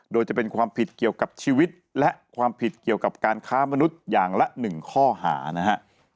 โดยจะเป็นความผิดเกี่ยวกับชีวิตและความผิดเกี่ยวกับการค้ามนุษย์อย่างละ๑ข้อหานะฮะ